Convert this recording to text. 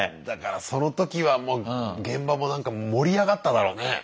だからそのときはもう現場もなんか盛り上がっただろうね。